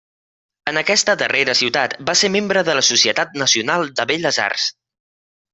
En aquesta darrera ciutat va ser membre de la Societat Nacional de Belles Arts.